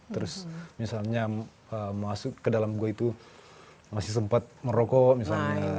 terus misalnya masuk ke dalam gua itu masih sempat merokok misalnya